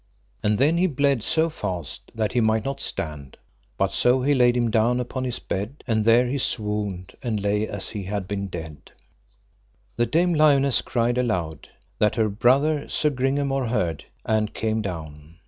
And then he bled so fast that he might not stand, but so he laid him down upon his bed, and there he swooned and lay as he had been dead. Then Dame Lionesse cried aloud, that her brother Sir Gringamore heard, and came down.